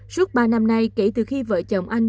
suốt ba năm nay kể từ khi vợ chồng anh